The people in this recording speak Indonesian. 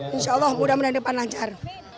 insya allah mudah mudahan depan lancar